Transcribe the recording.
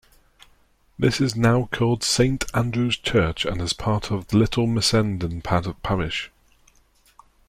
This is now called Saint Andrew's Church and is part of Little Missenden parish.